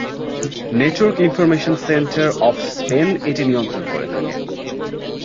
Network information centre of Spain এটি নিয়ন্ত্রণ করে থাকে।